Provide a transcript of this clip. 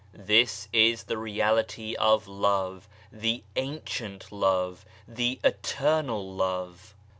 This is the reality oi Love, the Ancient Love, the Eternal Love.